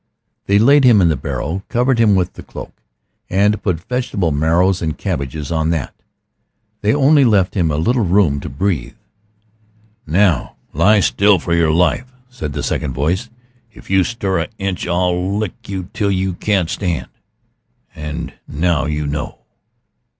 They laid him in the barrow, covered him with the cloak, and put vegetable marrows and cabbages on that. They only left him a little room to breathe. "Now lie still for your life!" said the second voice. "If you stir a inch I'll lick you till you can't stand! And now you know."